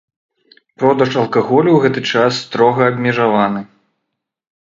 Продаж алкаголю ў гэты час строга абмежаваны.